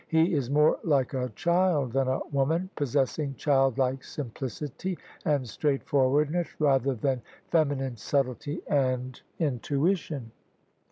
He is more like a child than a woman, possessing childlike sim plicity and straightforwardness rather than feminine subtlety and intuition.